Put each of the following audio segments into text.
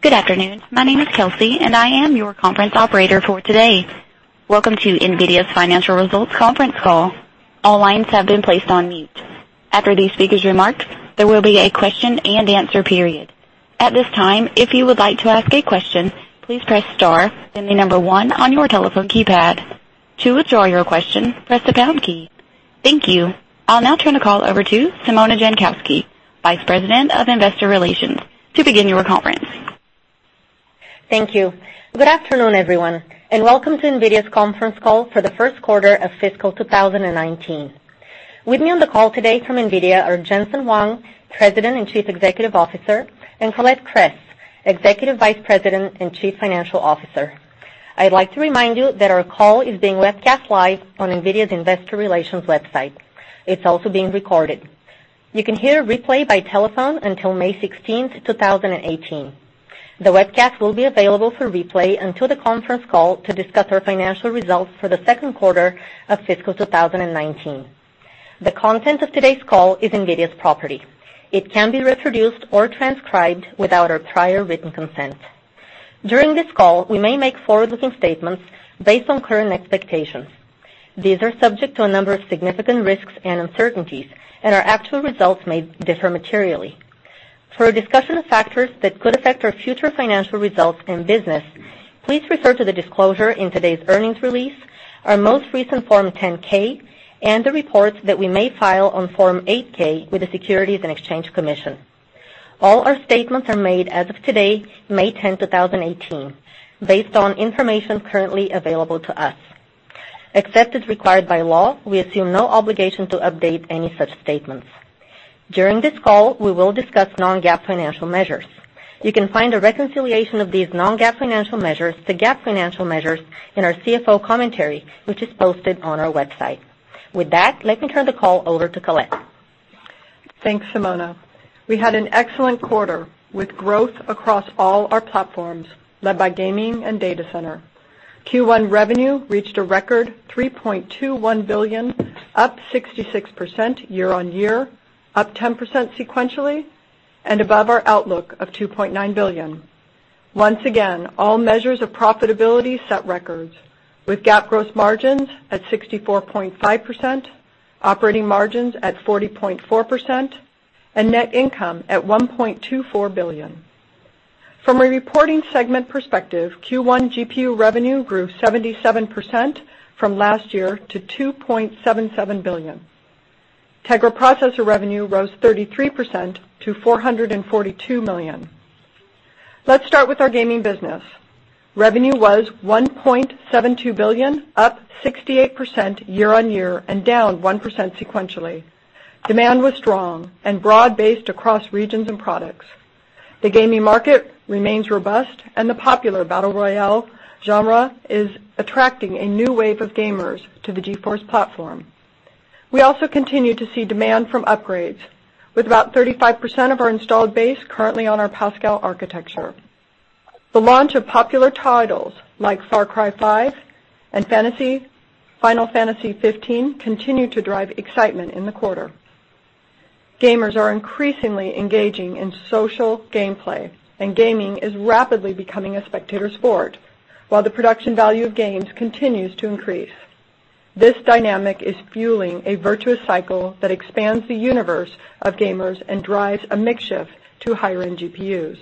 Good afternoon. My name is Kelsey, and I am your conference operator for today. Welcome to NVIDIA's financial results conference call. All lines have been placed on mute. After the speakers' remarks, there will be a question-and-answer period. At this time, if you would like to ask a question, please press star, then the number one on your telephone keypad. To withdraw your question, press the pound key. Thank you. I'll now turn the call over to Simona Jankowski, Vice President of Investor Relations, to begin your conference. Thank you. Good afternoon, everyone, and welcome to NVIDIA's conference call for the first quarter of fiscal 2019. With me on the call today from NVIDIA are Jensen Huang, President and Chief Executive Officer, and Colette Kress, Executive Vice President and Chief Financial Officer. I'd like to remind you that our call is being webcast live on NVIDIA's investor relations website. It's also being recorded. You can hear a replay by telephone until May 16th, 2018. The webcast will be available for replay until the conference call to discuss our financial results for the second quarter of fiscal 2019. The content of today's call is NVIDIA's property. It can't be reproduced or transcribed without our prior written consent. During this call, we may make forward-looking statements based on current expectations. These are subject to a number of significant risks and uncertainties, and our actual results may differ materially. For a discussion of factors that could affect our future financial results and business, please refer to the disclosure in today's earnings release, our most recent Form 10-K, and the reports that we may file on Form 8-K with the Securities and Exchange Commission. All our statements are made as of today, May 10th, 2018, based on information currently available to us. Except as required by law, we assume no obligation to update any such statements. During this call, we will discuss non-GAAP financial measures. You can find a reconciliation of these non-GAAP financial measures to GAAP financial measures in our CFO commentary, which is posted on our website. With that, let me turn the call over to Colette. Thanks, Simona. We had an excellent quarter, with growth across all our platforms, led by gaming and data center. Q1 revenue reached a record $3.21 billion, up 66% year-on-year, up 10% sequentially, and above our outlook of $2.9 billion. Once again, all measures of profitability set records, with GAAP gross margins at 64.5%, operating margins at 40.4%, and net income at $1.24 billion. From a reporting segment perspective, Q1 GPU revenue grew 77% from last year to $2.77 billion. Tegra processor revenue rose 33% to $442 million. Let's start with our gaming business. Revenue was $1.72 billion, up 68% year-on-year and down 1% sequentially. Demand was strong and broad-based across regions and products. The gaming market remains robust, and the popular battle royale genre is attracting a new wave of gamers to the GeForce platform. We also continue to see demand from upgrades, with about 35% of our installed base currently on our Pascal architecture. The launch of popular titles like Far Cry 5 and Final Fantasy XV continued to drive excitement in the quarter. Gamers are increasingly engaging in social gameplay, and gaming is rapidly becoming a spectator sport while the production value of games continues to increase. This dynamic is fueling a virtuous cycle that expands the universe of gamers and drives a mix shift to higher-end GPUs.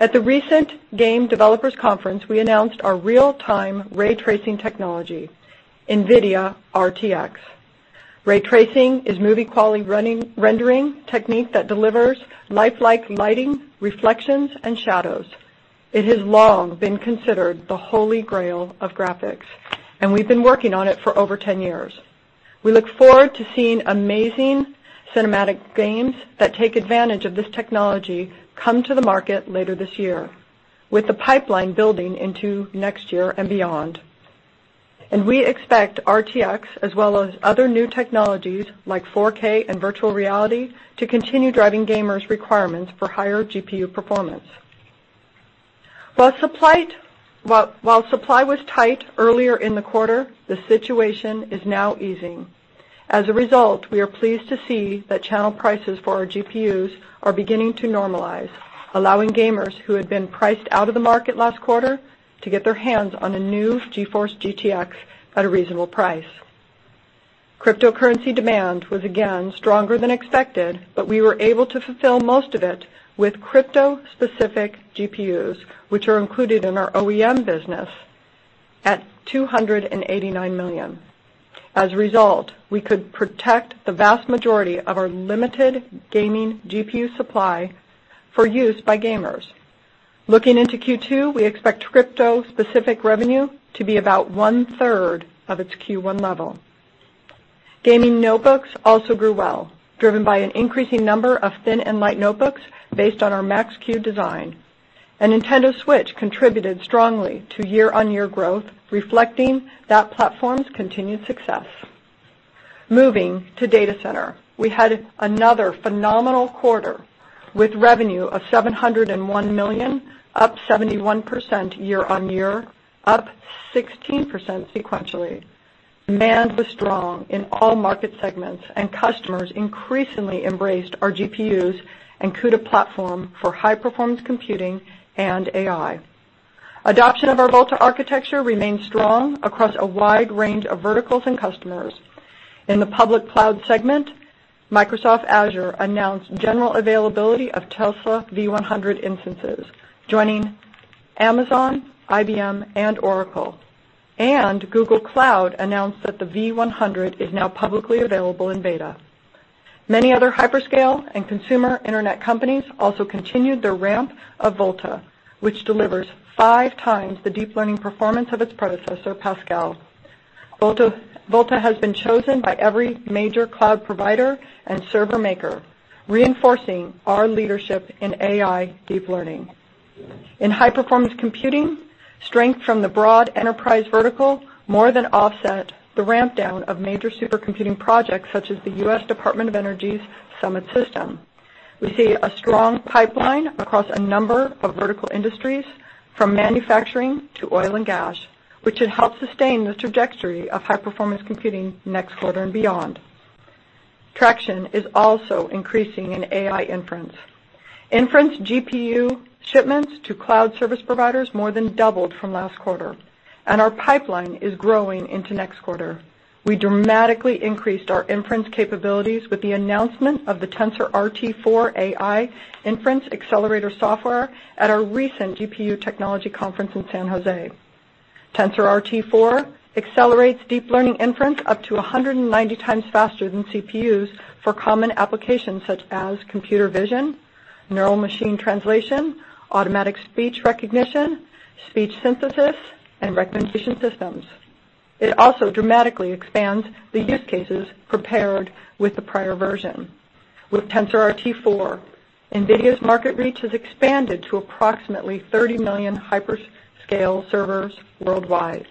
At the recent Game Developers Conference, we announced our real-time ray tracing technology, NVIDIA RTX. Ray tracing is movie-quality rendering technique that delivers lifelike lighting, reflections, and shadows. It has long been considered the holy grail of graphics, and we've been working on it for over 10 years. We look forward to seeing amazing cinematic games that take advantage of this technology come to the market later this year, with the pipeline building into next year and beyond. We expect RTX, as well as other new technologies like 4K and virtual reality, to continue driving gamers' requirements for higher GPU performance. While supply was tight earlier in the quarter, the situation is now easing. As a result, we are pleased to see that channel prices for our GPUs are beginning to normalize, allowing gamers who had been priced out of the market last quarter to get their hands on a new GeForce GTX at a reasonable price. Cryptocurrency demand was again stronger than expected, but we were able to fulfill most of it with crypto-specific GPUs, which are included in our OEM business at $289 million. As a result, we could protect the vast majority of our limited gaming GPU supply for use by gamers. Looking into Q2, we expect crypto-specific revenue to be about one-third of its Q1 level. Gaming notebooks also grew well, driven by an increasing number of thin and light notebooks based on our Max-Q design. Nintendo Switch contributed strongly to year-on-year growth, reflecting that platform's continued success. Moving to data center. We had another phenomenal quarter, with revenue of $701 million, up 71% year-on-year, up 16% sequentially. Demand was strong in all market segments, and customers increasingly embraced our GPUs and CUDA platform for high-performance computing and AI. Adoption of our Volta architecture remains strong across a wide range of verticals and customers. In the public cloud segment, Microsoft Azure announced general availability of Tesla V100 instances, joining Amazon, IBM, and Oracle. Google Cloud announced that the V100 is now publicly available in beta. Many other hyperscale and consumer internet companies also continued their ramp of Volta, which delivers five times the deep learning performance of its predecessor, Pascal. Volta has been chosen by every major cloud provider and server maker, reinforcing our leadership in AI deep learning. In high-performance computing, strength from the broad enterprise vertical more than offset the ramp-down of major supercomputing projects such as the U.S. Department of Energy's Summit system. We see a strong pipeline across a number of vertical industries, from manufacturing to oil and gas, which should help sustain the trajectory of high-performance computing next quarter and beyond. Traction is also increasing in AI inference. Inference GPU shipments to cloud service providers more than doubled from last quarter, and our pipeline is growing into next quarter. We dramatically increased our inference capabilities with the announcement of the TensorRT 4 AI inference accelerator software at our recent GPU technology conference in San Jose. TensorRT 4 accelerates deep learning inference up to 190 times faster than CPUs for common applications such as computer vision, neural machine translation, automatic speech recognition, speech synthesis, and recommendation systems. It also dramatically expands the use cases compared with the prior version. With TensorRT 4, NVIDIA's market reach has expanded to approximately 30 million hyperscale servers worldwide.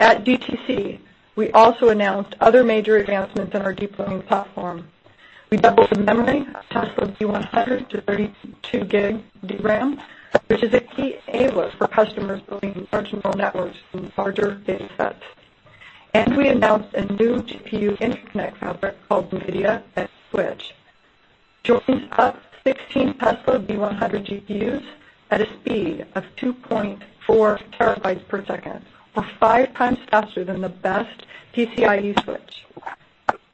At GTC, we also announced other major advancements in our deep learning platform. We doubled the memory of Tesla V100 to 32 GB DRAM, which is a key enabler for customers building large neural networks and larger data sets. We announced a new GPU interconnect fabric called NVIDIA NVSwitch, which joins up 16 Tesla V100 GPUs at a speed of 2.4 terabytes per second or five times faster than the best PCIe switch.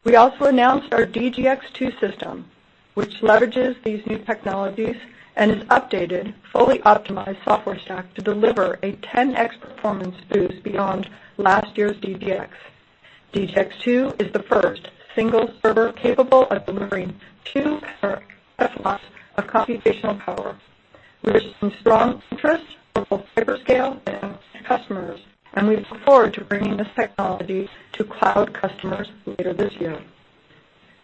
We also announced our DGX-2 system, which leverages these new technologies and is updated, fully optimized software stack to deliver a 10x performance boost beyond last year's DGX. DGX-2 is the first single server capable of delivering two petaflops of computational power. We're seeing strong interest from both hyperscale and customers, and we look forward to bringing this technology to cloud customers later this year.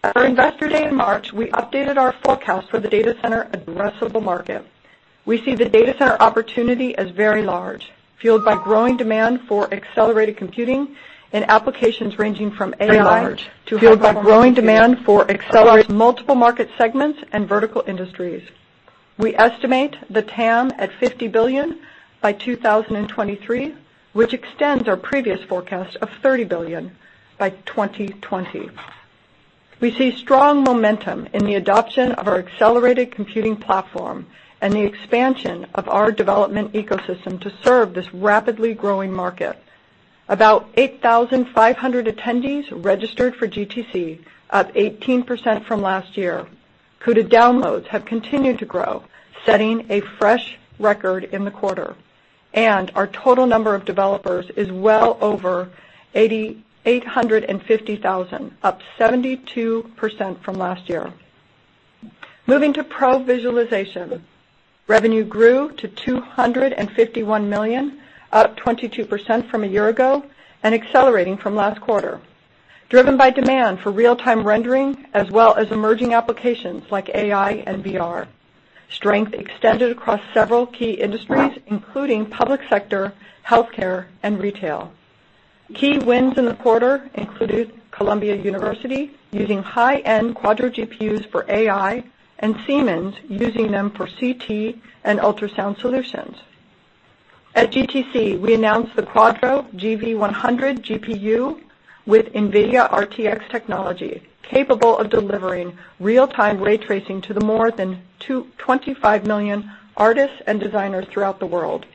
At our Investor Day in March, we updated our forecast for the data center addressable market. We see the data center opportunity as very large, fueled by growing demand for accelerated computing in applications ranging from AI to high-performance computing across multiple market segments and vertical industries. We estimate the TAM at $50 billion by 2023, which extends our previous forecast of $30 billion by 2020. We see strong momentum in the adoption of our accelerated computing platform and the expansion of our development ecosystem to serve this rapidly growing market. About 8,500 attendees registered for GTC, up 18% from last year. CUDA downloads have continued to grow, setting a fresh record in the quarter, and our total number of developers is well over 850,000, up 72% from last year. Moving to pro visualization. Revenue grew to $251 million, up 22% from a year ago, and accelerating from last quarter, driven by demand for real-time rendering as well as emerging applications like AI and VR. Strength extended across several key industries, including public sector, healthcare, and retail. Key wins in the quarter included Columbia University using high-end Quadro GPUs for AI and Siemens using them for CT and ultrasound solutions. At GTC, we announced the Quadro GV100 GPU with NVIDIA RTX technology, capable of delivering real-time ray tracing to the more than 25 million artists and designers throughout the world.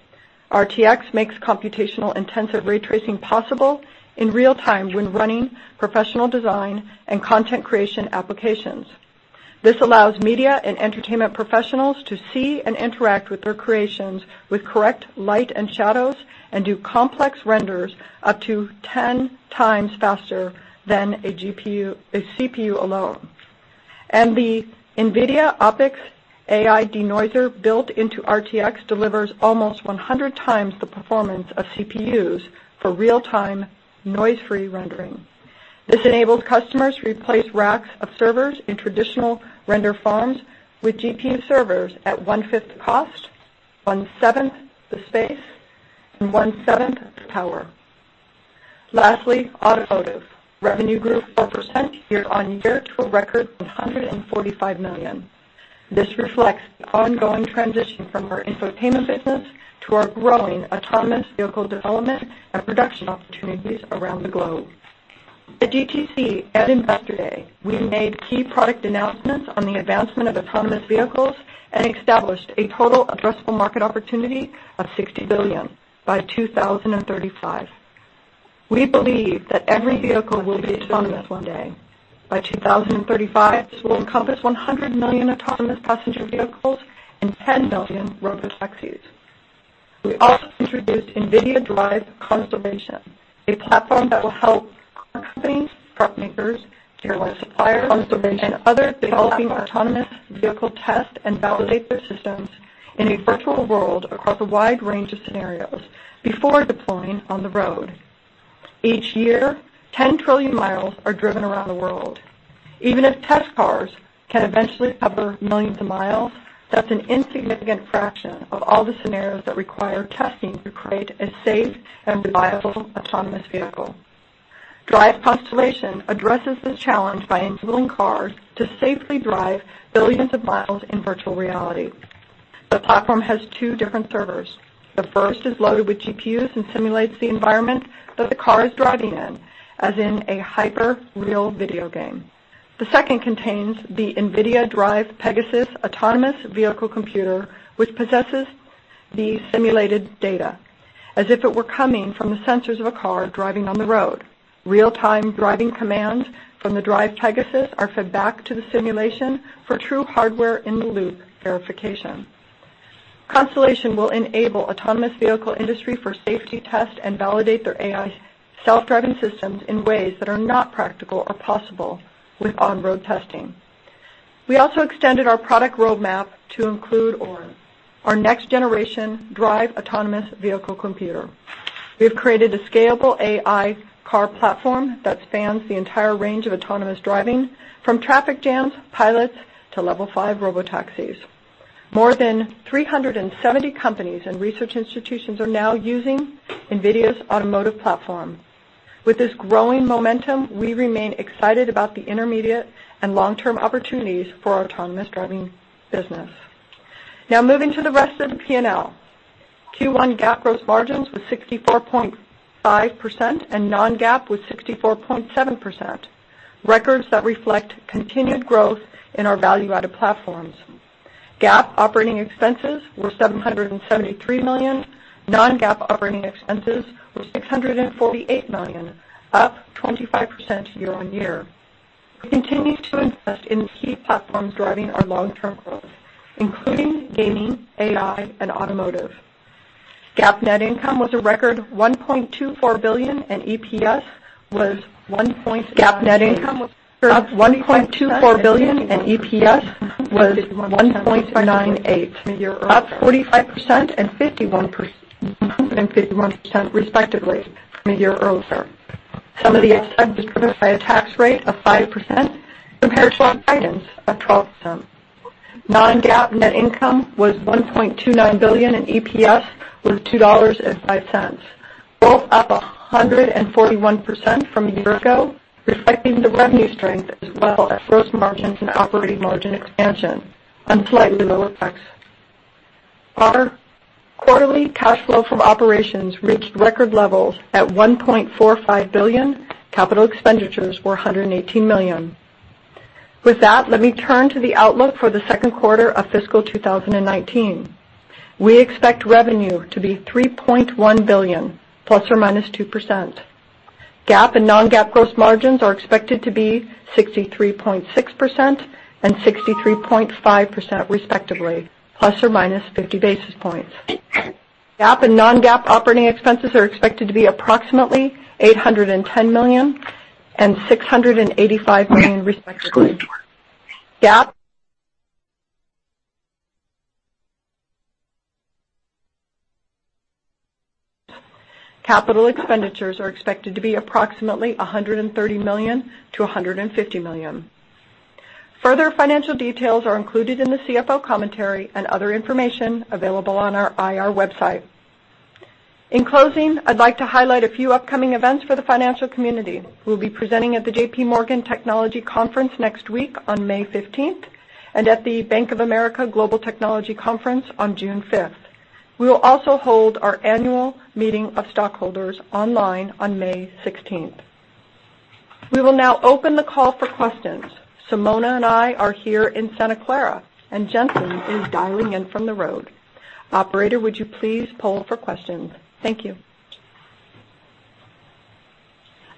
RTX makes computational-intensive ray tracing possible in real-time when running professional design and content creation applications. This allows media and entertainment professionals to see and interact with their creations with correct light and shadows and do complex renders up to ten times faster than a CPU alone. The NVIDIA OptiX AI denoiser built into RTX delivers almost 100 times the performance of CPUs for real-time, noise-free rendering. This enables customers to replace racks of servers in traditional render farms with GPU servers at one-fifth the cost, one-seventh the space, and one-seventh the power. Lastly, automotive. Revenue grew 4% year-on-year to a record of $145 million. This reflects the ongoing transition from our infotainment business to our growing autonomous vehicle development and production opportunities around the globe. At GTC, at Investor Day, we made key product announcements on the advancement of autonomous vehicles and established a total addressable market opportunity of $60 billion by 2035. We believe that every vehicle will be autonomous one day. By 2035, this will encompass 100 million autonomous passenger vehicles and 10 million robotaxis. We also introduced NVIDIA DRIVE Constellation, a platform that will help car companies, truck makers, tier 1 suppliers- Constellation and others developing autonomous vehicle test and validate their systems in a virtual world across a wide range of scenarios before deploying on the road. Each year, 10 trillion miles are driven around the world. Even if test cars can eventually cover millions of miles, that's an insignificant fraction of all the scenarios that require testing to create a safe and reliable autonomous vehicle. DRIVE Constellation addresses this challenge by enabling cars to safely drive billions of miles in virtual reality. The platform has two different servers. The first is loaded with GPUs and simulates the environment that the car is driving in, as in a hyper-real video game. The second contains the NVIDIA DRIVE Pegasus autonomous vehicle computer, which possesses the simulated data as if it were coming from the sensors of a car driving on the road. Real-time driving commands from the DRIVE Pegasus are fed back to the simulation for true hardware-in-the-loop verification. Constellation will enable autonomous vehicle industry for safety test and validate their AI self-driving systems in ways that are not practical or possible with on-road testing. We also extended our product roadmap to include Orin, our next-generation DRIVE autonomous vehicle computer. We've created a scalable AI car platform that spans the entire range of autonomous driving from traffic jams, pilots, to level 5 robotaxis. More than 370 companies and research institutions are now using NVIDIA's automotive platform. With this growing momentum, we remain excited about the intermediate and long-term opportunities for autonomous driving business. Now moving to the rest of the P&L. Q1 GAAP gross margins was 64.5% and non-GAAP was 64.7%. Records that reflect continued growth in our value-added platforms. GAAP operating expenses were $773 million, non-GAAP operating expenses were $648 million, up 25% year-on-year. We continue to invest in key platforms driving our long-term growth, including gaming, AI, and automotive. GAAP net income was a record $1.24 billion, and EPS was $1.98, up 45% and 51% respectively from a year earlier. Some of the was driven by a tax rate of 5% compared to our guidance of 12%. Non-GAAP net income was $1.29 billion, and EPS was $2.05, both up 141% from a year ago, reflecting the revenue strength as well as gross margins and operating margin expansion on slightly lower tax. Our quarterly cash flow from operations reached record levels at $1.45 billion, capital expenditures were $118 million. With that, let me turn to the outlook for the second quarter of fiscal 2019. We expect revenue to be $3.1 billion plus or minus 2%. GAAP and non-GAAP gross margins are expected to be 63.6% and 63.5% respectively, ±50 basis points. GAAP and non-GAAP operating expenses are expected to be approximately $810 million and $685 million respectively. GAAP capital expenditures are expected to be approximately $130 million-$150 million. Further financial details are included in the CFO commentary and other information available on our IR website. In closing, I'd like to highlight a few upcoming events for the financial community. We'll be presenting at the JP Morgan Technology Conference next week on May 15th, and at the Bank of America Global Technology Conference on June 5th. We will also hold our annual meeting of stockholders online on May 16th. We will now open the call for questions. Simona and I are here in Santa Clara, and Jensen is dialing in from the road. Operator, would you please poll for questions? Thank you.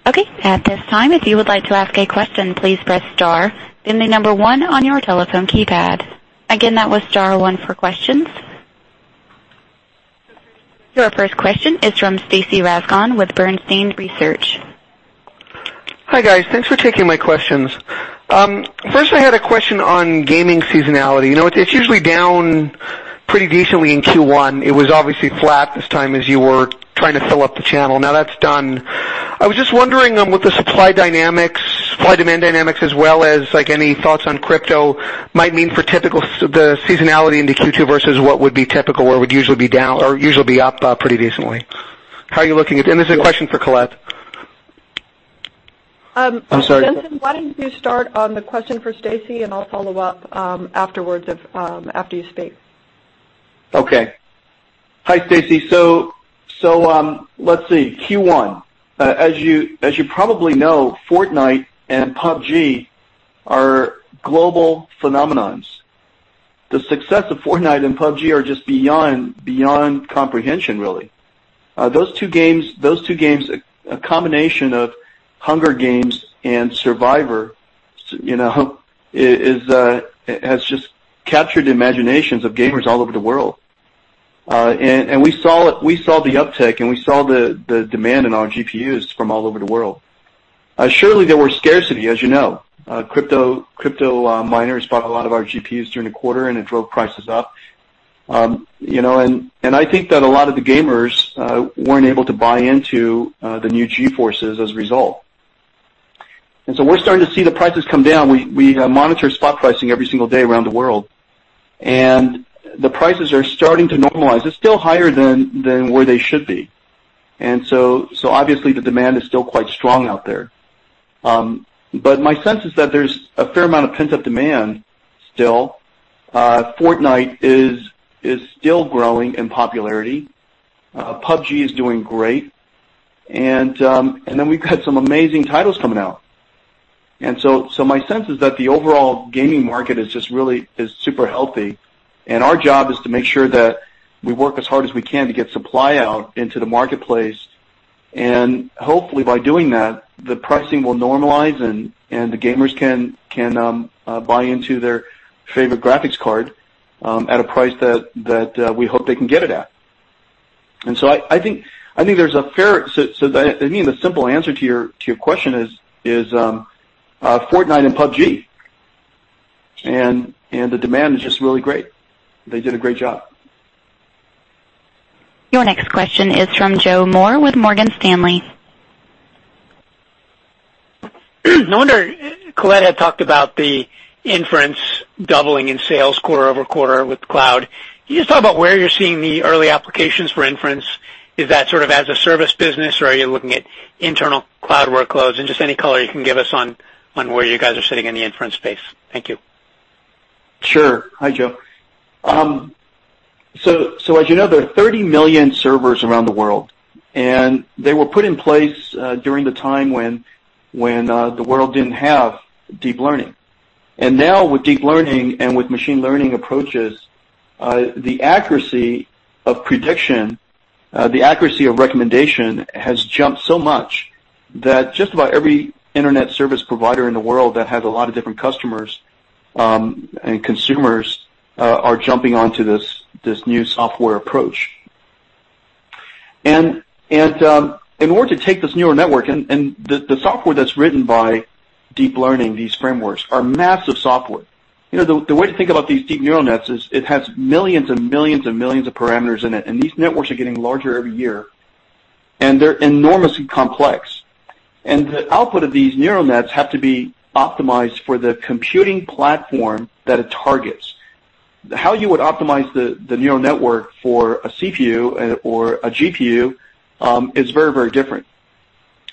Okay. At this time, if you would like to ask a question, please press star then the number one on your telephone keypad. Again, that was star one for questions. Your first question is from Stacy Rasgon with Bernstein Research. Hi, guys. Thanks for taking my questions. First I had a question on gaming seasonality. It's usually down pretty decently in Q1. It was obviously flat this time as you were trying to fill up the channel. Now that's done. I was just wondering with the supply-demand dynamics as well as any thoughts on crypto might mean for the seasonality into Q2 versus what would be typical, where it would usually be up pretty decently. How are you looking at it? This is a question for Colette. I'm sorry. Jensen, why don't you start on the question for Stacy, and I'll follow up afterwards, after you speak. Okay. Hi, Stacy. Let's see. Q1. As you probably know, Fortnite and PUBG are global phenomenons. The success of Fortnite and PUBG are just beyond comprehension, really. Those two games, a combination of Hunger Games and Survivor, has just captured the imaginations of gamers all over the world. We saw the uptick, we saw the demand in our GPUs from all over the world. Surely there were scarcity, as you know. Crypto miners bought a lot of our GPUs during the quarter, it drove prices up. I think that a lot of the gamers weren't able to buy into the new GeForces as a result. We're starting to see the prices come down. We monitor spot pricing every single day around the world, the prices are starting to normalize. It's still higher than where they should be, obviously the demand is still quite strong out there. My sense is that there's a fair amount of pent-up demand still. Fortnite is still growing in popularity. PUBG is doing great. We've got some amazing titles coming out. My sense is that the overall gaming market is just really super healthy, and our job is to make sure that we work as hard as we can to get supply out into the marketplace, and hopefully by doing that, the pricing will normalize and the gamers can buy into their favorite graphics card at a price that we hope they can get it at. I think the simple answer to your question is Fortnite and PUBG, the demand is just really great. They did a great job. Your next question is from Joseph Moore with Morgan Stanley. I wonder, Colette had talked about the inference doubling in sales quarter-over-quarter with cloud. Can you just talk about where you're seeing the early applications for inference? Is that sort of as a service business, or are you looking at internal cloud workloads, and just any color you can give us on where you guys are sitting in the inference space. Thank you. Sure. Hi, Joe. As you know, there are 30 million servers around the world, and they were put in place during the time when the world didn't have deep learning. Now with deep learning and with machine learning approaches, the accuracy of prediction, the accuracy of recommendation has jumped so much that just about every internet service provider in the world that has a lot of different customers and consumers are jumping onto this new software approach. In order to take this neural network, and the software that's written by deep learning, these frameworks are massive software. The way to think about these deep neural nets is it has millions and millions and millions of parameters in it, and these networks are getting larger every year, and they're enormously complex. The output of these neural nets have to be optimized for the computing platform that it targets. How you would optimize the neural network for a CPU or a GPU is very different.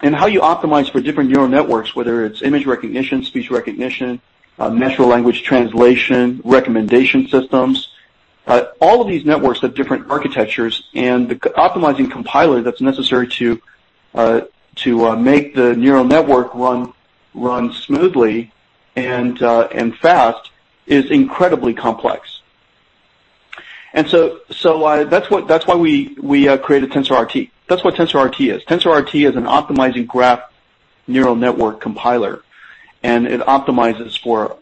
How you optimize for different neural networks, whether it's image recognition, speech recognition, natural language translation, recommendation systems, all of these networks have different architectures, and the optimizing compiler that's necessary to make the neural network run smoothly and fast is incredibly complex. That's why we created TensorRT. That's what TensorRT is. TensorRT is an optimizing graph neural network compiler, and it optimizes for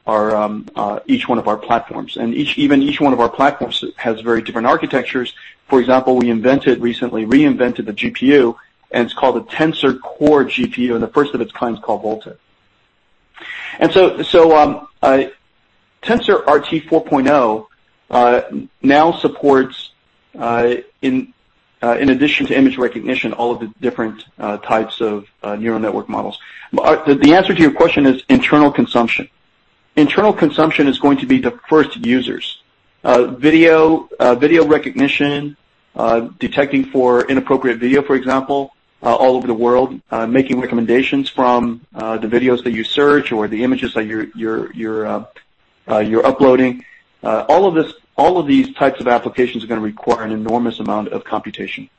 each one of our platforms. Even each one of our platforms has very different architectures. For example, we recently reinvented the GPU, and it's called a Tensor Core GPU, and the first of its kind is called Volta. TensorRT 4.0 now supports, in addition to image recognition, all of the different types of neural network models. The answer to your question is internal consumption. Internal consumption is going to be the first users. Video recognition, detecting for inappropriate video, for example, all over the world, making recommendations from the videos that you search or the images that you're uploading. All of these types of applications are going to require an enormous amount of computation.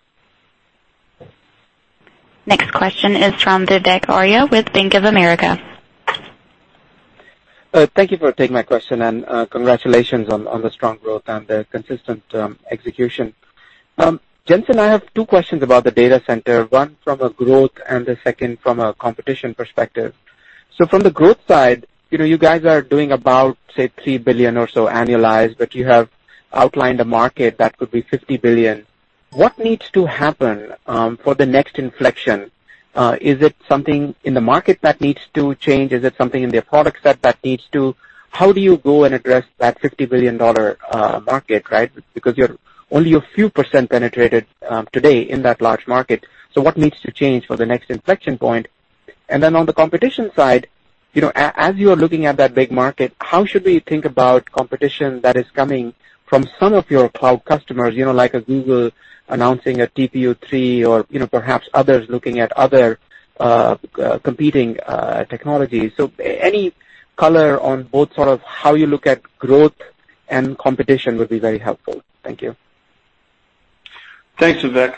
Next question is from Vivek Arya with Bank of America. Thank you for taking my question, and congratulations on the strong growth and the consistent execution. Jensen, I have two questions about the data center, one from a growth and the second from a competition perspective. From the growth side, you guys are doing about, say, $3 billion or so annualized, but you have outlined a market that could be $50 billion. What needs to happen for the next inflection? Is it something in the market that needs to change? Is it something in the product set that needs to? How do you go and address that $50 billion market, right? Because you're only a few % penetrated today in that large market. What needs to change for the next inflection point? On the competition side, as you are looking at that big market, how should we think about competition that is coming from some of your cloud customers, like a Google announcing a TPU 3.0 or perhaps others looking at other competing technologies? Any color on both sort of how you look at growth and competition would be very helpful. Thank you. Thanks, Vivek.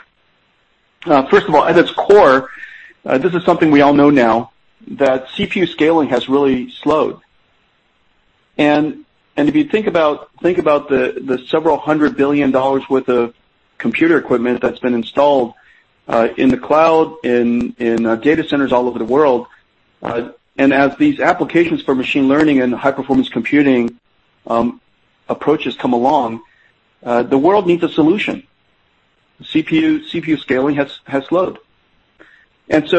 First of all, at its core, this is something we all know now, that CPU scaling has really slowed. If you think about the $several hundred billion worth of computer equipment that's been installed in the cloud, in data centers all over the world, as these applications for machine learning and high-performance computing approaches come along, the world needs a solution. CPU scaling has slowed. Here's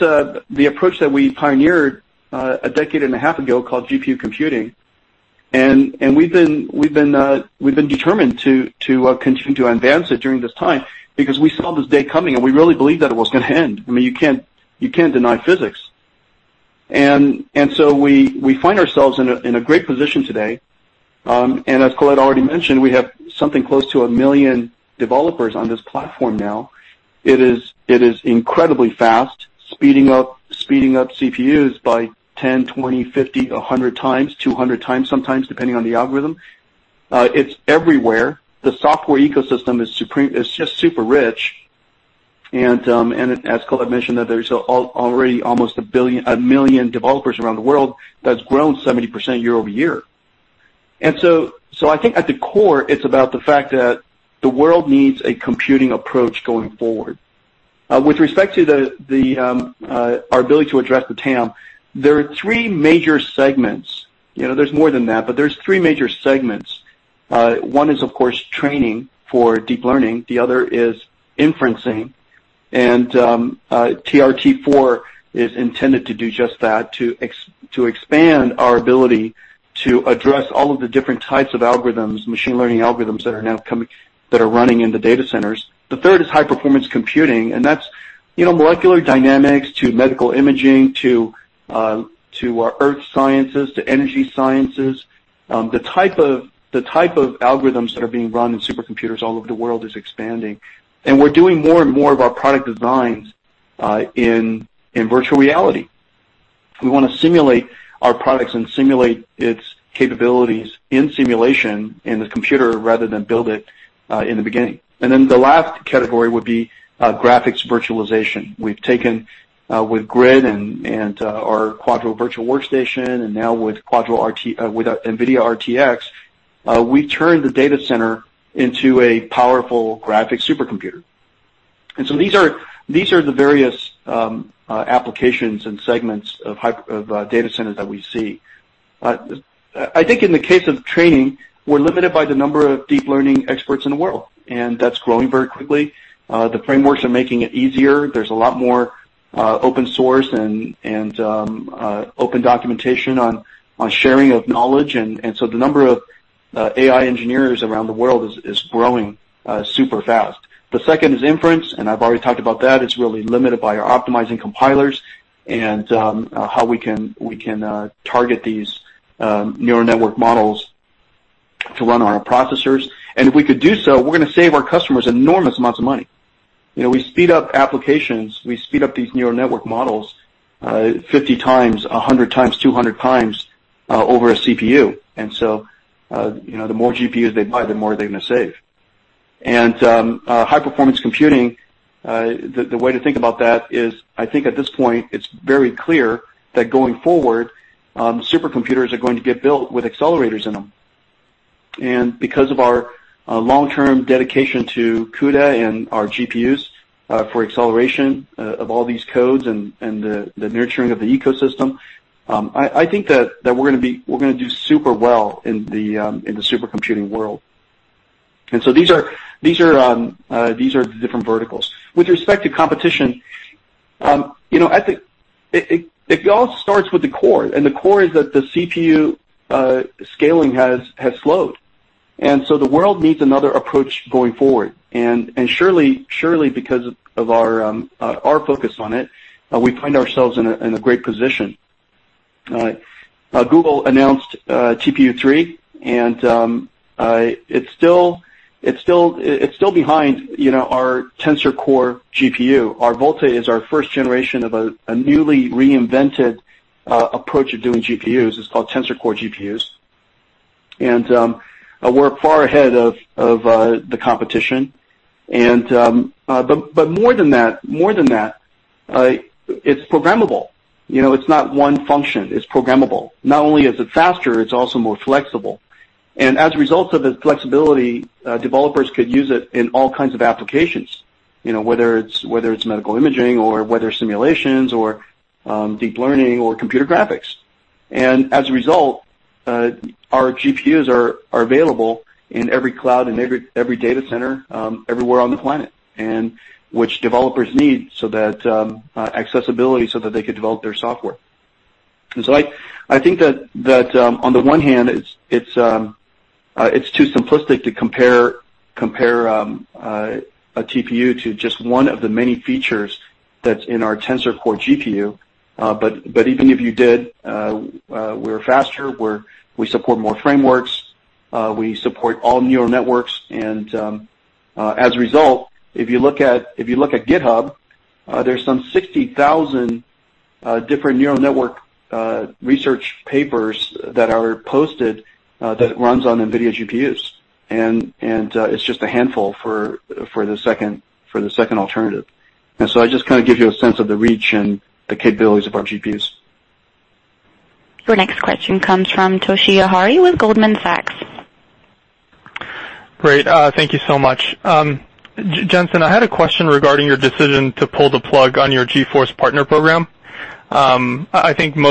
the approach that we pioneered a decade and a half ago called GPU computing. We've been determined to continue to advance it during this time because we saw this day coming, and we really believed that it was going to end. You can't deny physics. We find ourselves in a great position today. As Colette already mentioned, we have something close to 1 million developers on this platform now. It is incredibly fast, speeding up CPUs by 10, 20, 50, 100 times, 200 times sometimes, depending on the algorithm. It's everywhere. The software ecosystem is just super rich. As Colette mentioned, there's already almost 1 million developers around the world. That's grown 70% year-over-year. I think at the core, it's about the fact that the world needs a computing approach going forward. With respect to our ability to address the TAM, there are 3 major segments. There's more than that, but there's 3 major segments. 1 is, of course, training for deep learning, the other is inferencing, and TRT4 is intended to do just that, to expand our ability to address all of the different types of algorithms, machine learning algorithms that are now running in the data centers. The 3rd is high-performance computing, that's molecular dynamics to medical imaging, to earth sciences, to energy sciences. The type of algorithms that are being run in supercomputers all over the world is expanding, and we're doing more and more of our product designs in virtual reality. We want to simulate our products and simulate its capabilities in simulation in the computer rather than build it in the beginning. The last category would be graphics virtualization. We've taken with NVIDIA GRID and our NVIDIA Quadro Virtual Workstation, now with NVIDIA RTX, we turn the data center into a powerful graphics supercomputer. These are the various applications and segments of data centers that we see. I think in the case of training, we're limited by the number of deep learning experts in the world, that's growing very quickly. The frameworks are making it easier. There's a lot more open source and open documentation on sharing of knowledge, the number of AI engineers around the world is growing super fast. The 2nd is inference, I've already talked about that. It's really limited by our optimizing compilers and how we can target these neural network models to run on our processors. If we could do so, we're going to save our customers enormous amounts of money. We speed up applications, we speed up these neural network models 50 times, 100 times, 200 times over a CPU. The more GPUs they buy, the more they're going to save. High-performance computing, the way to think about that is, I think at this point, it's very clear that going forward, supercomputers are going to get built with accelerators in them. Because of our long-term dedication to CUDA and our GPUs for acceleration of all these codes and the nurturing of the ecosystem, I think that we're going to do super well in the supercomputing world. These are the different verticals. With respect to competition, it all starts with the core, and the core is that the CPU scaling has slowed. The world needs another approach going forward. Surely because of our focus on it, we find ourselves in a great position. Google announced TPU3, and it's still behind our Tensor Core GPU. Our Volta is our first generation of a newly reinvented approach of doing GPUs. It's called Tensor Core GPUs. We're far ahead of the competition. More than that, it's programmable. It's not one function. It's programmable. Not only is it faster, it's also more flexible. As a result of the flexibility, developers could use it in all kinds of applications, whether it's medical imaging or whether simulations or deep learning or computer graphics. As a result, our GPUs are available in every cloud, in every data center, everywhere on the planet, which developers need accessibility so that they could develop their software. I think that on the one hand, it's too simplistic to compare a TPU to just one of the many features that's in our Tensor Core GPU. Even if you did, we're faster, we support more frameworks, we support all neural networks, and as a result, if you look at GitHub, there's some 60,000 different neural network research papers that are posted that runs on NVIDIA GPUs. It's just a handful for the second alternative. I just give you a sense of the reach and the capabilities of our GPUs. Your next question comes from Toshiya Hari with Goldman Sachs. Great. Thank you so much. Jensen, I had a question regarding your decision to pull the plug on your GeForce Partner Program. If you can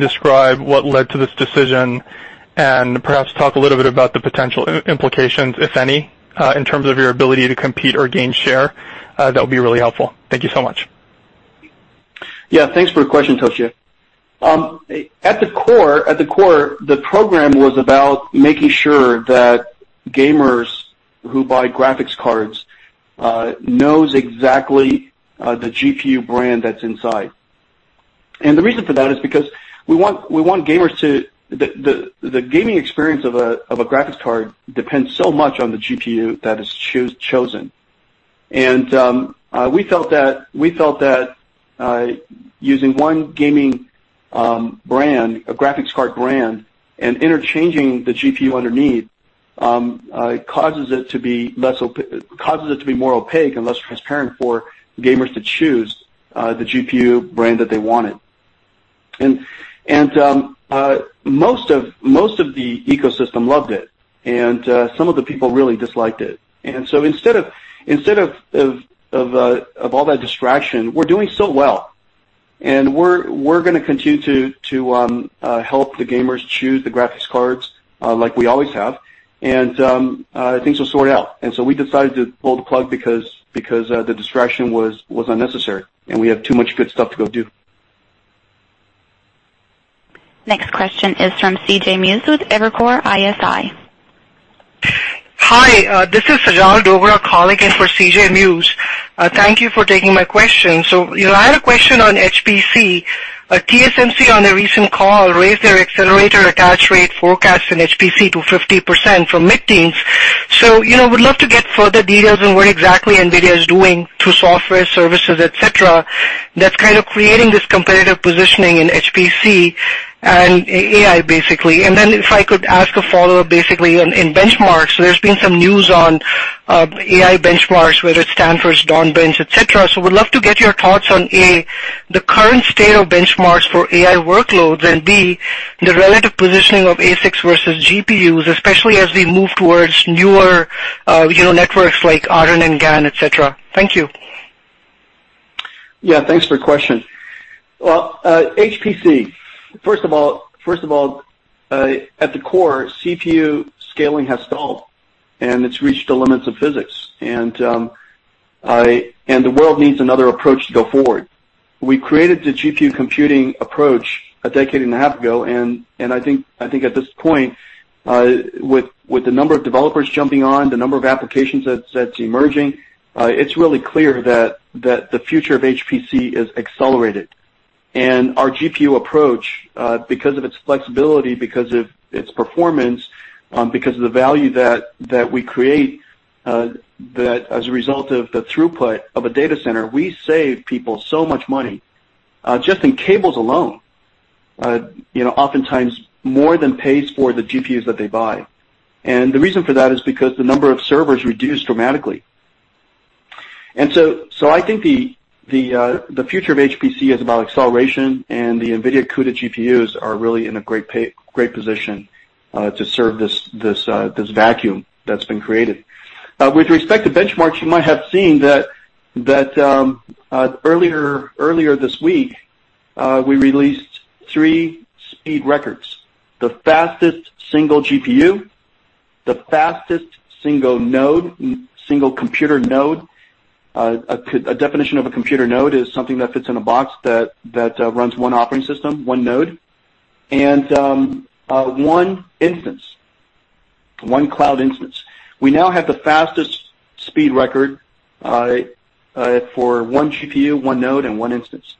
describe what led to this decision and perhaps talk a little bit about the potential implications, if any, in terms of your ability to compete or gain share, that would be really helpful. Thank you so much. Yeah. Thanks for your question, Toshiya. At the core, the program was about making sure that gamers who buy graphics cards know exactly the GPU brand that's inside. The reason for that is because the gaming experience of a graphics card depends so much on the GPU that is chosen. We felt that using one gaming brand, a graphics card brand, and interchanging the GPU underneath, causes it to be more opaque and less transparent for gamers to choose the GPU brand that they wanted. Most of the ecosystem loved it, and some of the people really disliked it. Instead of all that distraction, we're doing so well, and we're going to continue to help the gamers choose the graphics cards, like we always have, and things will sort out. We decided to pull the plug because the distraction was unnecessary, and we have too much good stuff to go do. Next question is from C.J. Muse with Evercore ISI. Hi, this is Sijal Dover calling in for C.J. Muse. Thank you for taking my question. I had a question on HPC. TSMC, on a recent call, raised their accelerator attach rate forecast in HPC to 50% from mid-teens. Would love to get further details on what exactly NVIDIA is doing through software, services, et cetera, that's creating this competitive positioning in HPC and AI, basically. If I could ask a follow-up, basically, in benchmarks, there's been some news on AI benchmarks, whether it's Stanford's DAWNBench, et cetera. Would love to get your thoughts on, A, the current state of benchmarks for AI workloads, and B, the relative positioning of ASICs versus GPUs, especially as we move towards newer neural networks like RNN and GAN, et cetera. Thank you. Yeah, thanks for the question. HPC, first of all, at the core, CPU scaling has stalled, and it's reached the limits of physics. The world needs another approach to go forward. We created the GPU computing approach a decade and a half ago, I think at this point, with the number of developers jumping on, the number of applications that's emerging, it's really clear that the future of HPC is accelerated. Our GPU approach, because of its flexibility, because of its performance, because of the value that we create, that as a result of the throughput of a data center, we save people so much money, just in cables alone, oftentimes more than pays for the GPUs that they buy. The reason for that is because the number of servers reduced dramatically. I think the future of HPC is about acceleration, and the NVIDIA CUDA GPUs are really in a great position to serve this vacuum that's been created. With respect to benchmarks, you might have seen that earlier this week, we released three speed records, the fastest single GPU, the fastest single node, single computer node. A definition of a computer node is something that fits in a box that runs one operating system, one node. One instance, one cloud instance. We now have the fastest speed record for one GPU, one node, and one instance.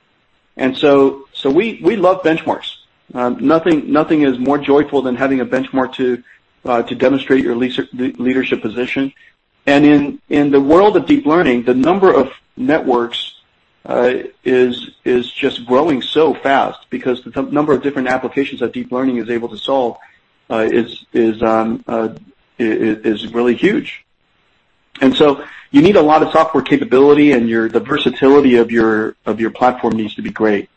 We love benchmarks. Nothing is more joyful than having a benchmark to demonstrate your leadership position. In the world of deep learning, the number of networks is just growing so fast because the number of different applications that deep learning is able to solve is really huge. You need a lot of software capability, and the versatility of your platform needs to be great.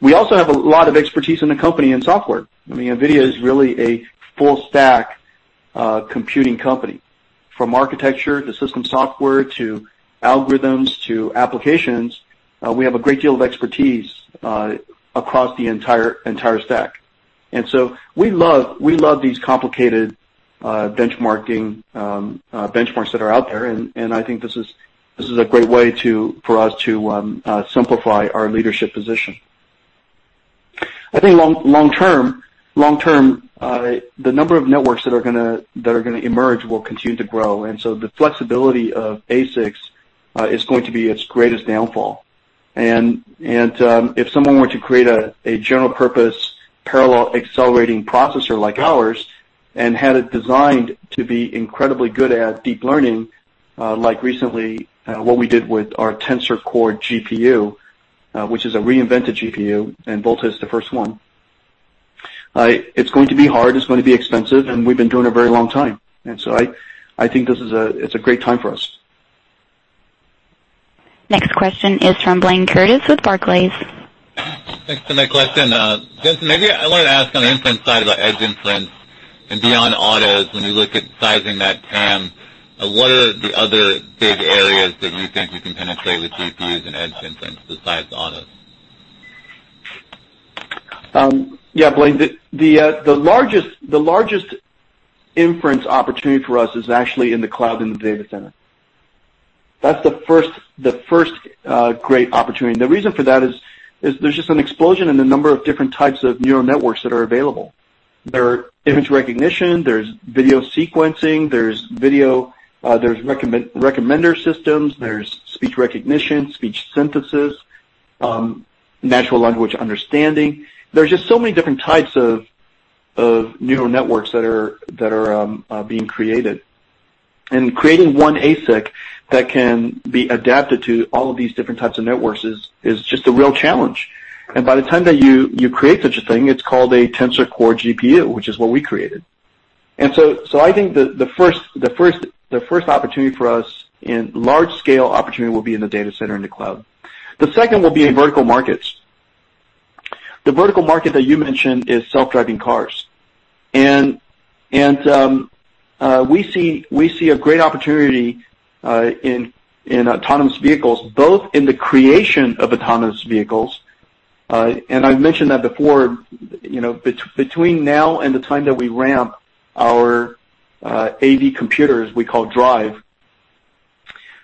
We also have a lot of expertise in the company in software. I mean, NVIDIA is really a full stack computing company. From architecture to system software to algorithms to applications, we have a great deal of expertise across the entire stack. We love these complicated benchmarks that are out there, and I think this is a great way for us to simplify our leadership position. I think long term, the number of networks that are going to emerge will continue to grow, the flexibility of ASICs is going to be its greatest downfall. If someone were to create a general purpose parallel accelerating processor like ours and had it designed to be incredibly good at deep learning, like recently what we did with our Tensor Core GPU, which is a reinvented GPU, and Volta is the first one. It's going to be hard, it's going to be expensive, and we've been doing it a very long time. I think it's a great time for us. Next question is from Blaine Curtis with Barclays. Thanks. My question, Jensen, maybe I wanted to ask on the inference side about edge inference and beyond autos, when you look at sizing that TAM, what are the other big areas that you think you can penetrate with GPUs and edge inference besides autos? Yeah, Blaine, the largest inference opportunity for us is actually in the cloud, in the data center. That's the first great opportunity. The reason for that is there's just an explosion in the number of different types of neural networks that are available. There are image recognition, there's video sequencing, there's recommender systems, there's speech recognition, speech synthesis, natural language understanding. There's just so many different types of neural networks that are being created. Creating one ASIC that can be adapted to all of these different types of networks is just a real challenge. By the time that you create such a thing, it's called a Tensor Core GPU, which is what we created. I think the first opportunity for us in large scale opportunity will be in the data center, in the cloud. The second will be in vertical markets. The vertical market that you mentioned is self-driving cars. We see a great opportunity in autonomous vehicles, both in the creation of autonomous vehicles. I've mentioned that before, between now and the time that we ramp our AV computers, we call DRIVE,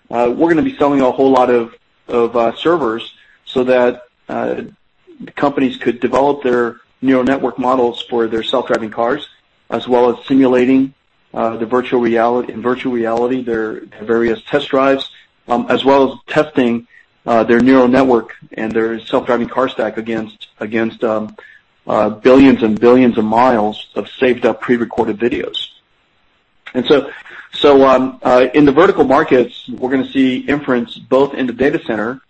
we're going to be selling a whole lot of servers so that companies could develop their neural network models for their self-driving cars, as well as simulating in virtual reality their various test drives, as well as testing their neural network and their self-driving car stack against billions and billions of miles of saved up pre-recorded videos. In the vertical markets, we're going to see inference both in the data center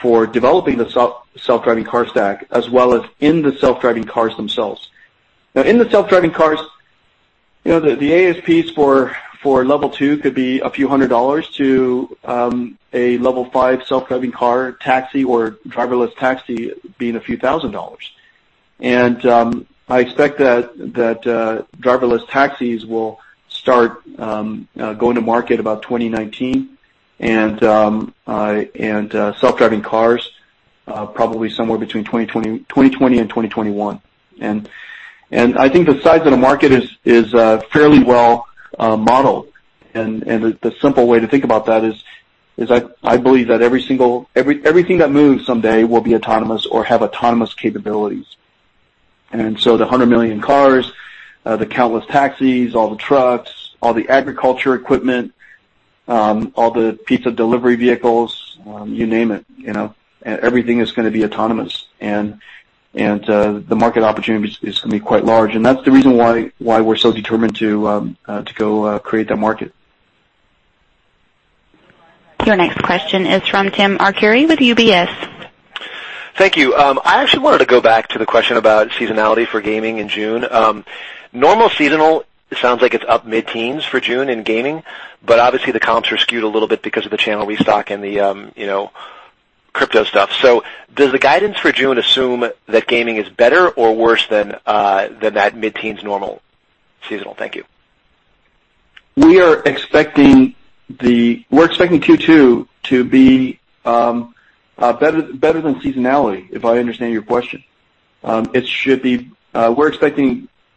for developing the self-driving car stack, as well as in the self-driving cars themselves. Now, in the self-driving cars, the ASPs for level 2 could be a few hundred dollars to a level 5 self-driving car taxi or driverless taxi being a few thousand dollars. I expect that driverless taxis will start going to market about 2019 and self-driving cars probably somewhere between 2020 and 2021. I think the size of the market is fairly well modeled. The simple way to think about that is I believe that everything that moves someday will be autonomous or have autonomous capabilities. The 100 million cars, the countless taxis, all the trucks, all the agriculture equipment, all the pizza delivery vehicles, you name it, everything is going to be autonomous, and the market opportunity is going to be quite large. That's the reason why we're so determined to go create that market. Your next question is from Timothy Arcuri with UBS. Thank you. I actually wanted to go back to the question about seasonality for gaming in June. Normal seasonal, it sounds like it's up mid-teens for June in gaming, but obviously the comps are skewed a little bit because of the channel restock and the crypto stuff. Does the guidance for June assume that gaming is better or worse than that mid-teens normal seasonal? Thank you. We're expecting Q2 to be better than seasonality, if I understand your question.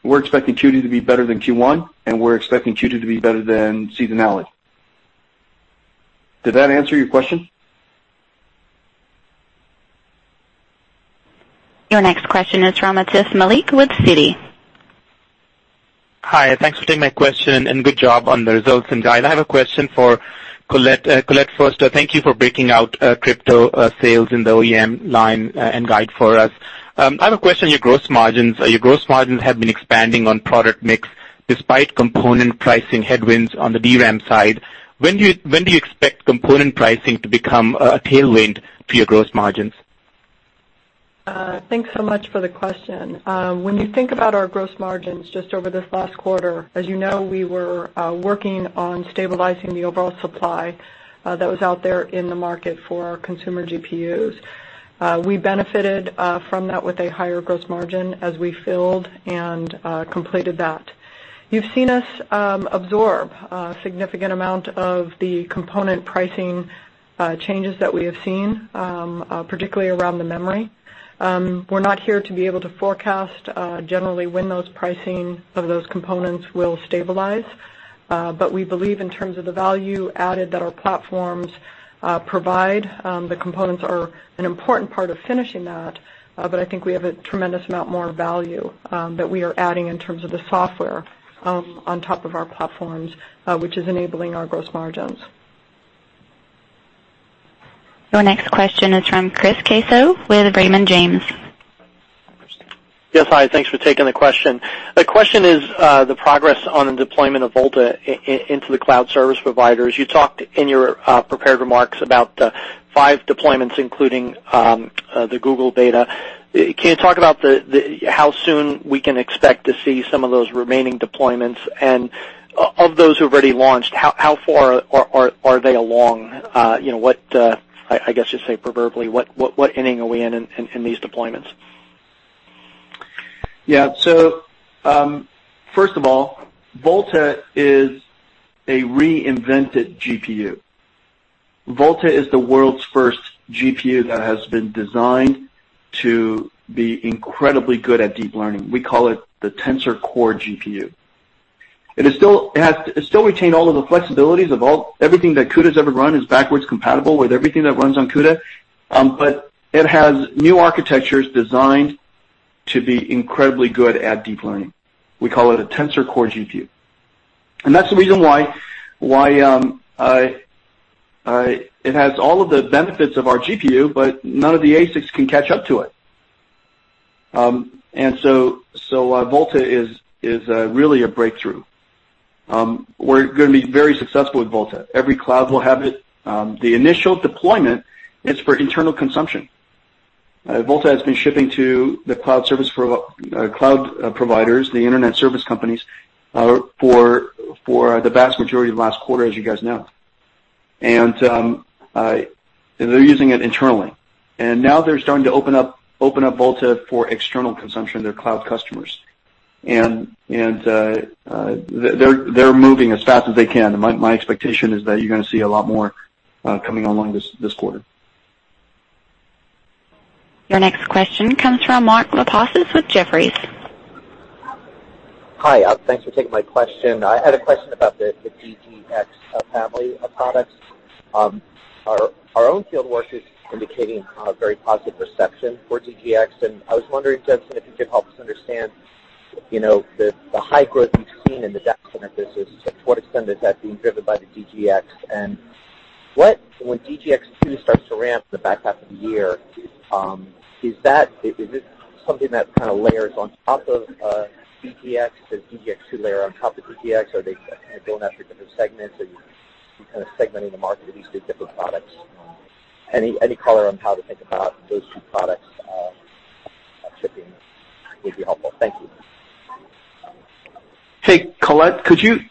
We're expecting Q2 to be better than Q1, and we're expecting Q2 to be better than seasonality. Did that answer your question? Your next question is from Atif Malik with Citi. Hi. Thanks for taking my question, and good job on the results and guide. I have a question for Colette first. Thank you for breaking out crypto sales in the OEM line and guide for us. I have a question on your gross margins. Your gross margins have been expanding on product mix despite component pricing headwinds on the DRAM side. When do you expect component pricing to become a tailwind for your gross margins? Thanks so much for the question. When you think about our gross margins just over this last quarter, as you know, we were working on stabilizing the overall supply that was out there in the market for our consumer GPUs. We benefited from that with a higher gross margin as we filled and completed that. You've seen us absorb a significant amount of the component pricing changes that we have seen, particularly around the memory. We're not here to be able to forecast generally when those pricing of those components will stabilize. We believe in terms of the value added that our platforms provide, the components are an important part of finishing that. I think we have a tremendous amount more value that we are adding in terms of the software on top of our platforms, which is enabling our gross margins. Your next question is from Chris Caso with Raymond James. Yes, hi. Thanks for taking the question. The question is the progress on the deployment of Volta into the cloud service providers. You talked in your prepared remarks about the 5 deployments, including the Google data. Can you talk about how soon we can expect to see some of those remaining deployments? Of those who've already launched, how far are they along? I guess just say proverbially, what inning are we in in these deployments? First of all, Volta is a reinvented GPU. Volta is the world's first GPU that has been designed to be incredibly good at deep learning. We call it the Tensor Core GPU. It has still retained all of the flexibilities of everything that CUDA's ever run is backwards compatible with everything that runs on CUDA, but it has new architectures designed to be incredibly good at deep learning. We call it a Tensor Core GPU. That's the reason why it has all of the benefits of our GPU, but none of the ASICs can catch up to it. Volta is really a breakthrough. We're going to be very successful with Volta. Every cloud will have it. The initial deployment is for internal consumption. Volta has been shipping to the cloud providers, the internet service companies, for the vast majority of last quarter, as you guys know. They're using it internally, and now they're starting to open up Volta for external consumption to their cloud customers. They're moving as fast as they can, and my expectation is that you're going to see a lot more coming along this quarter. Your next question comes from Mark Lipacis with Jefferies. Hi. Thanks for taking my question. I had a question about the DGX family of products. Our own field work is indicating a very positive reception for DGX. I was wondering, Jensen, if you could help us understand, the high growth you've seen in the data center business, to what extent is that being driven by the DGX? When DGX-2 starts to ramp in the back half of the year, is it something that kind of layers on top of DGX? Does DGX-2 layer on top of DGX? Are they kind of going after different segments? Are you kind of segmenting the market with these two different products? Any color on how to think about those two products shipping would be helpful. Thank you. Hey, Colette, could you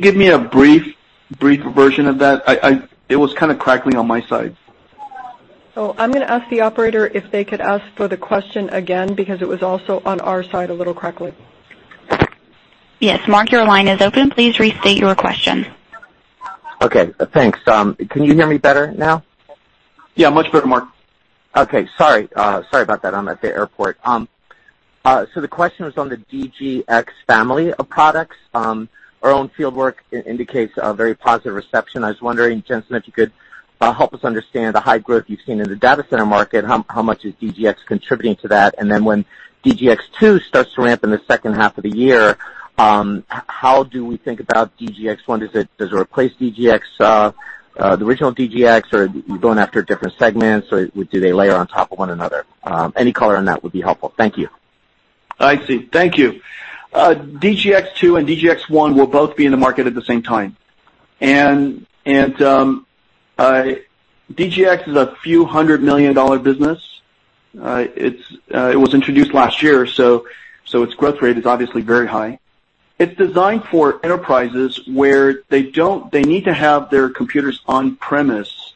give me a brief version of that? It was kind of crackling on my side. I'm going to ask the operator if they could ask for the question again, because it was also on our side a little crackly. Yes. Mark, your line is open. Please restate your question. Okay. Thanks. Can you hear me better now? Yeah, much better, Mark. Okay. Sorry about that. I'm at the airport. The question was on the DGX family of products. Our own fieldwork indicates a very positive reception. I was wondering, Jensen, if you could help us understand the high growth you've seen in the data center market, how much is DGX contributing to that? When DGX-2 starts to ramp in the second half of the year, how do we think about DGX-1? Does it replace the original DGX, or are you going after different segments, or do they layer on top of one another? Any color on that would be helpful. Thank you. I see. Thank you. DGX-2 and DGX-1 will both be in the market at the same time. DGX is a few hundred million dollar business. It was introduced last year, so its growth rate is obviously very high. It's designed for enterprises where they need to have their computers on premise,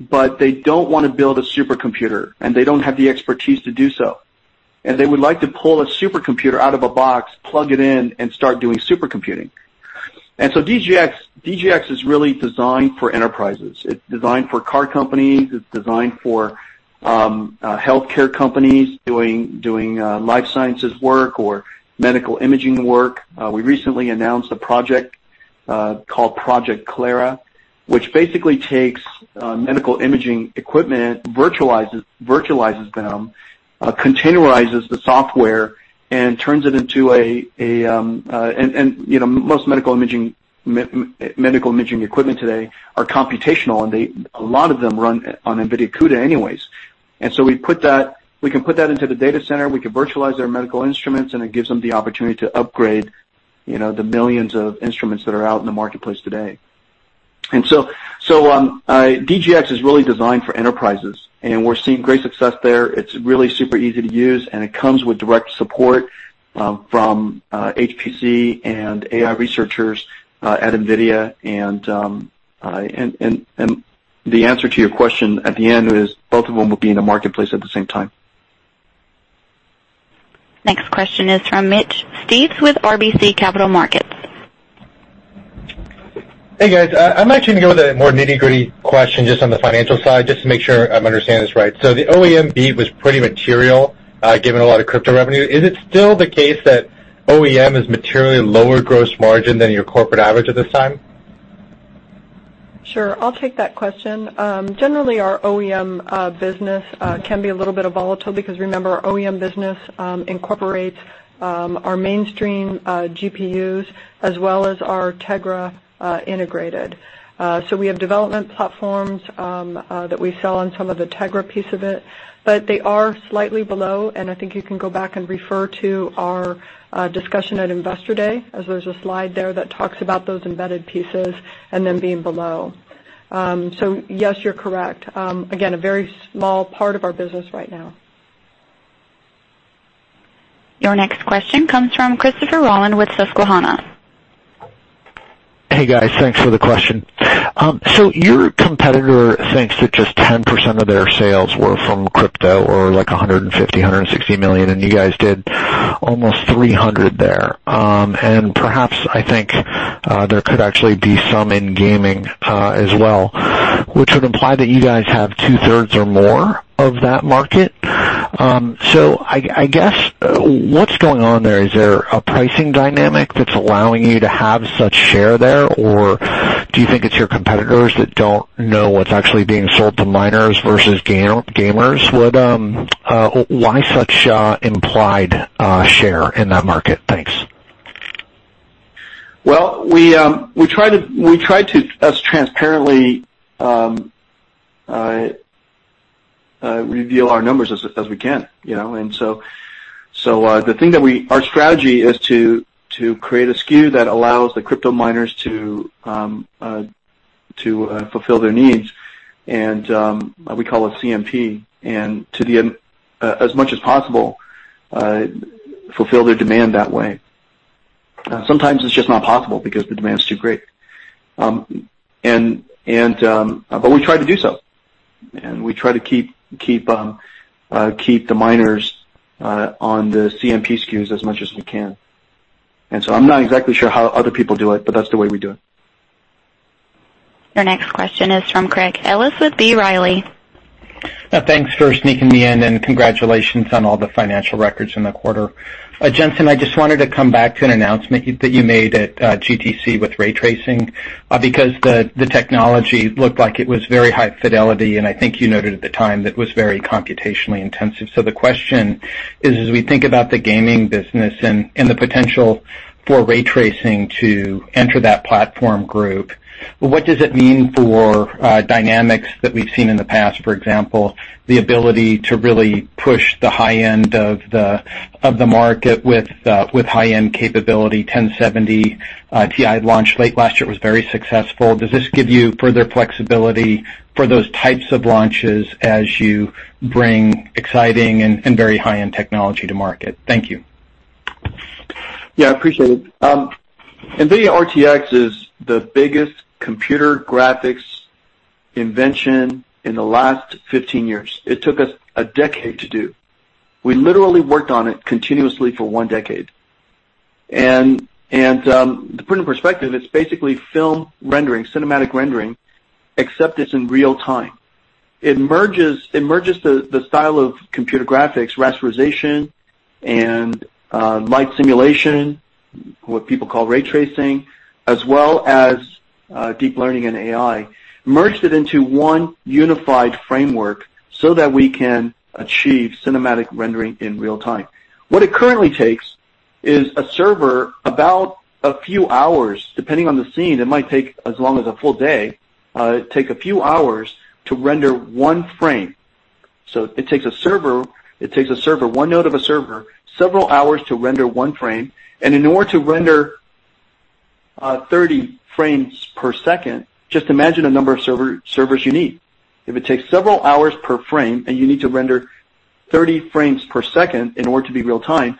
but they don't want to build a supercomputer, and they don't have the expertise to do so, and they would like to pull a supercomputer out of a box, plug it in, and start doing supercomputing. DGX is really designed for enterprises. It's designed for car companies, it's designed for healthcare companies doing life sciences work or medical imaging work. We recently announced a project called Project Clara, which basically takes medical imaging equipment, virtualizes them, containerizes the software, and turns it into a. Most medical imaging equipment today are computational, and a lot of them run on NVIDIA CUDA anyways. We can put that into the data center, we can virtualize their medical instruments, and it gives them the opportunity to upgrade the millions of instruments that are out in the marketplace today. DGX is really designed for enterprises, and we're seeing great success there. It's really super easy to use, and it comes with direct support from HPC and AI researchers at NVIDIA. The answer to your question at the end is, both of them will be in the marketplace at the same time. Next question is from Mitch Steves with RBC Capital Markets. Hey, guys. I'm actually going to go with a more nitty-gritty question just on the financial side, just to make sure I'm understanding this right. The OEM beat was pretty material, given a lot of crypto revenue. Is it still the case that OEM is materially lower gross margin than your corporate average at this time? Sure. I'll take that question. Generally, our OEM business can be a little bit volatile because remember, our OEM business incorporates our mainstream GPUs as well as our Tegra integrated. We have development platforms that we sell on some of the Tegra piece of it, but they are slightly below, and I think you can go back and refer to our discussion at Investor Day as there's a slide there that talks about those embedded pieces and them being below. Yes, you're correct. Again, a very small part of our business right now. Your next question comes from Christopher Rolland with Susquehanna. Hey, guys. Thanks for the question. Your competitor thinks that just 10% of their sales were from crypto or like $150 million, $160 million, and you guys did almost $300 million there. Perhaps I think there could actually be some in gaming as well, which would imply that you guys have two-thirds or more of that market. I guess what's going on there? Is there a pricing dynamic that's allowing you to have such share there? Or do you think it's your competitors that don't know what's actually being sold to miners versus gamers? Why such implied share in that market? Thanks. Well, we try to as transparently reveal our numbers as we can. Our strategy is to create a SKU that allows the crypto miners to fulfill their needs, and we call it CMP, and to the as much as possible, fulfill their demand that way. Sometimes it's just not possible because the demand is too great. We try to do so, and we try to keep the miners on the CMP SKUs as much as we can. I'm not exactly sure how other people do it, but that's the way we do it. Your next question is from Craig Ellis with B. Riley. Thanks for sneaking me in, and congratulations on all the financial records in the quarter. Jensen, I just wanted to come back to an announcement that you made at GTC with ray tracing, because the technology looked like it was very high fidelity, and I think you noted at the time that it was very computationally intensive. The question is, as we think about the gaming business and the potential for ray tracing to enter that platform group, what does it mean for dynamics that we've seen in the past? For example, the ability to really push the high end of the market with high-end capability, 1070 Ti launched late last year, it was very successful. Does this give you further flexibility for those types of launches as you bring exciting and very high-end technology to market? Thank you. Yeah, I appreciate it. NVIDIA RTX is the biggest computer graphics invention in the last 15 years. It took us a decade to do. We literally worked on it continuously for one decade. To put it in perspective, it's basically film rendering, cinematic rendering, except it's in real-time. It merges the style of computer graphics, rasterization, and light simulation, what people call ray tracing, as well as deep learning and AI, merged it into one unified framework so that we can achieve cinematic rendering in real-time. What it currently takes is a server about a few hours, depending on the scene, it might take as long as a full day, take a few hours to render one frame. It takes a server, one node of a server, several hours to render one frame. In order to render 30 frames per second, just imagine the number of servers you need. If it takes several hours per frame and you need to render 30 frames per second in order to be real-time,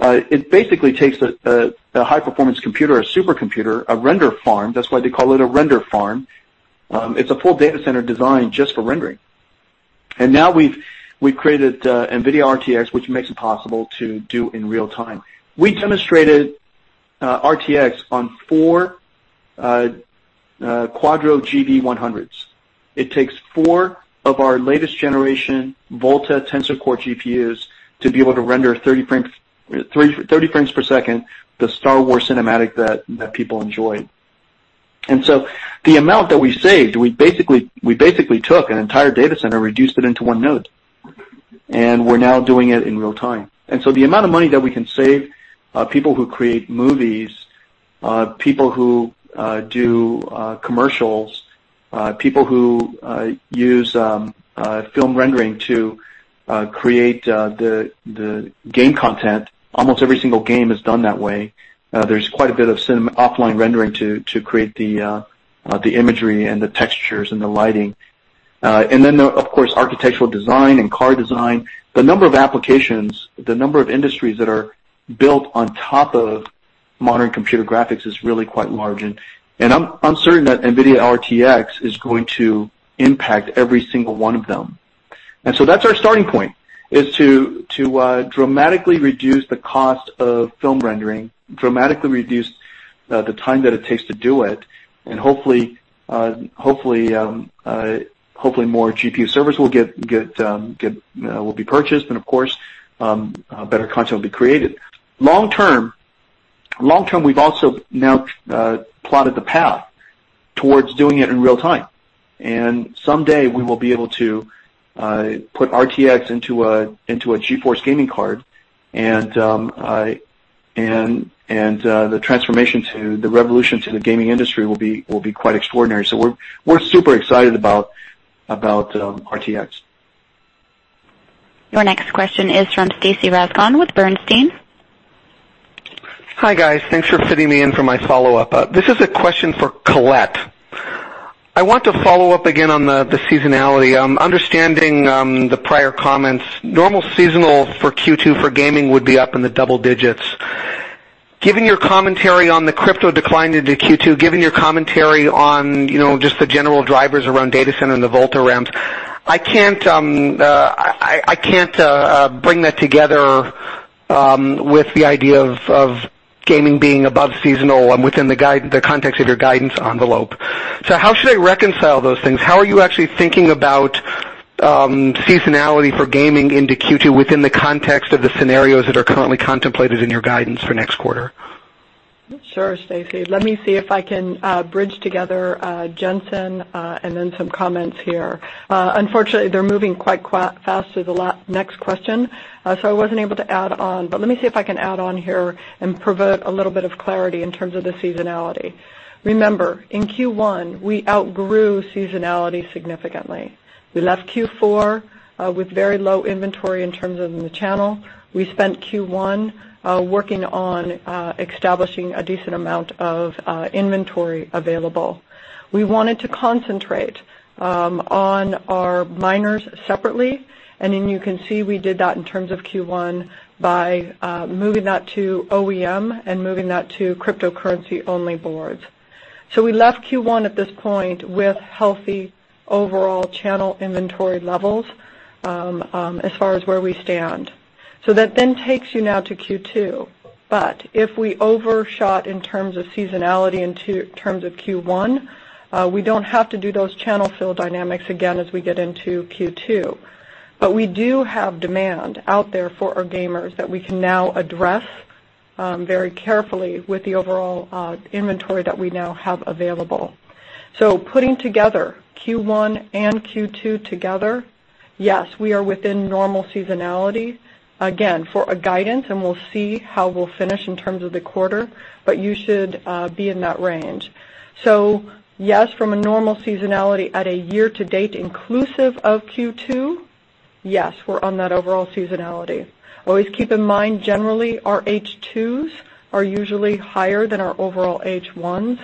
it basically takes a high-performance computer, a supercomputer, a render farm. That's why they call it a render farm. It's a full data center designed just for rendering. Now we've created NVIDIA RTX, which makes it possible to do in real-time. We demonstrated RTX on four Quadro GV100s. It takes four of our latest generation Volta Tensor Core GPUs to be able to render 30 frames per second, the Star Wars cinematic that people enjoy. The amount that we saved, we basically took an entire data center, reduced it into one node. We're now doing it in real-time. The amount of money that we can save people who create movies, people who do commercials, people who use film rendering to create the game content, almost every single game is done that way. There's quite a bit of offline rendering to create the imagery and the textures and the lighting. Then, of course, architectural design and car design. The number of applications, the number of industries that are built on top of modern computer graphics is really quite large, and I'm certain that NVIDIA RTX is going to impact every single one of them. That's our starting point, is to dramatically reduce the cost of film rendering, dramatically reduce the time that it takes to do it, and hopefully more GPU servers will be purchased and, of course, better content will be created. Long-term, we've also now plotted the path towards doing it in real-time, and someday we will be able to put RTX into a GeForce gaming card, and the transformation to, the revolution to the gaming industry will be quite extraordinary. We're super excited about RTX. Your next question is from Stacy Rasgon with Bernstein. Hi, guys. Thanks for fitting me in for my follow-up. This is a question for Colette. I want to follow up again on the seasonality. Understanding the prior comments, normal seasonal for Q2 for gaming would be up in the double digits. Given your commentary on the crypto decline into Q2, given your commentary on just the general drivers around data center and the Volta ramps, I can't bring that together with the idea of gaming being above seasonal and within the context of your guidance envelope. How should I reconcile those things? How are you actually thinking about seasonality for gaming into Q2 within the context of the scenarios that are currently contemplated in your guidance for next quarter? Sure, Stacy. Let me see if I can bridge together Jensen and then some comments here. Unfortunately, they're moving quite fast to the next question, so I wasn't able to add on. Let me see if I can add on here and provide a little bit of clarity in terms of the seasonality. Remember, in Q1, we outgrew seasonality significantly. We left Q4 with very low inventory in terms of in the channel. We spent Q1 working on establishing a decent amount of inventory available. We wanted to concentrate on our miners separately, and then you can see we did that in terms of Q1 by moving that to OEM and moving that to cryptocurrency-only boards. We left Q1 at this point with healthy overall channel inventory levels as far as where we stand. That then takes you now to Q2. If we overshot in terms of seasonality in terms of Q1, we don't have to do those channel fill dynamics again as we get into Q2. We do have demand out there for our gamers that we can now address very carefully with the overall inventory that we now have available. Putting together Q1 and Q2 together, yes, we are within normal seasonality, again, for a guidance, and we'll see how we'll finish in terms of the quarter, but you should be in that range. Yes, from a normal seasonality at a year to date inclusive of Q2, yes, we're on that overall seasonality. Always keep in mind, generally, our H2s are usually higher than our overall H1s,